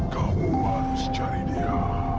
kamu harus cari dia